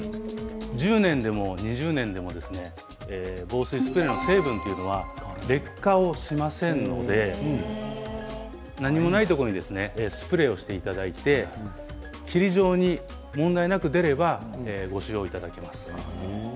１０年でも２０年でも防水スプレーの成分というのは劣化をしませんので何もないところにスプレーをしていただいて霧状に問題なく出ればご使用いただけます。